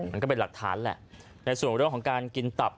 มันก็เป็นหลักฐานแหละในส่วนเรื่องของการกินตับ